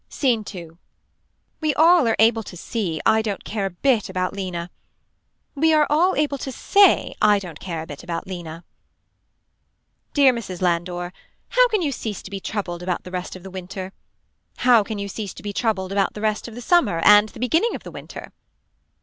Scene 2. We all are able to see I don't care a bit about Lena. We are all able to say I don't care a bit about Lena. Dear Mrs. Landor. How can you cease to be troubled about the rest of the winter. How can you cease to be troubled about the rest of the summer and the beginning of the winter.